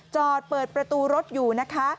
จอดเปิดประตูรถอยู่นะคะ